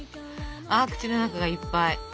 口の中がいっぱい。